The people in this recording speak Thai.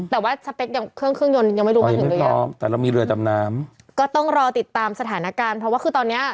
แต่หลังจากนี้ถ้าเกิดเขารู้สึกว่า